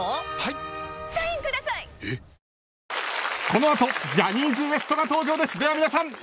この後、ジャニーズＷＥＳＴが登場です。